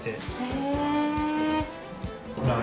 へえ。